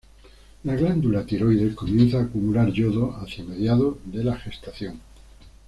La glándula tiroides comienza a acumular yodo hacia mediados de la gestación.